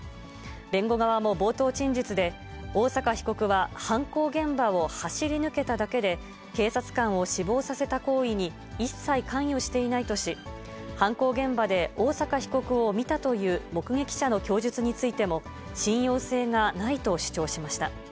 弁護側も冒頭陳述で、大坂被告は犯行現場を走り抜けただけで、警察官を死亡させた行為に一切関与していないとし、犯行現場で大坂被告を見たという目撃者の供述についても、信用性がないと主張しました。